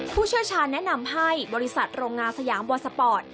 ผู้เชี่ยวชาญแนะนำให้บริษัทโรงงานสยามบอนสปอร์ต